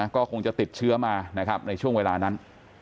ก็คงจะติดเชื้อมานะครับในช่วงเวลานั้น